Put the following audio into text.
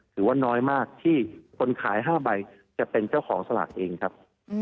ถือว่าน้อยมากที่คนขาย๕ใบจะเป็นเจ้าของสลากเองครับ